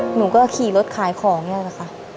หนูก็ขี่รถขายของนี่แหละค่ะ